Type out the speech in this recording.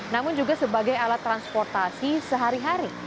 namun juga sebagai alat transportasi sehari hari